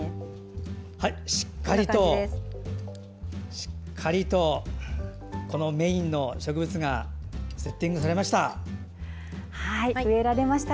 しっかりとメインの植物がセッティングされました。